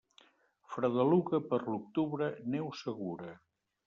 Fredeluga per l'octubre, neu segura.